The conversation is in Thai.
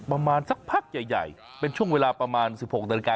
ประมาณสักพักใหญ่เป็นช่วงเวลาประมาณ๑๖นาฬิกา